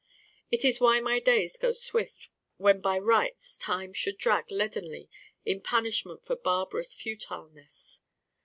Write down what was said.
It is why my days go Swift when by rights time should drag leadenly in punishment for barbarous futileness.